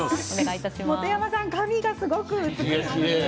本山さん、髪がすごく美しいですね。